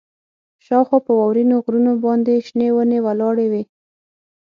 شاوخوا په واورینو غرونو باندې شنې ونې ولاړې وې